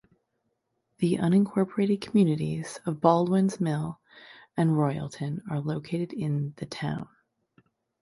The unincorporated communities of Baldwins Mill and Royalton are located in the town.